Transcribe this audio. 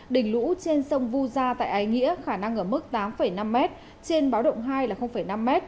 đỉnh lũ trên sông vu gia tại ái nghĩa khả năng ở mức tám năm m trên báo động hai là năm m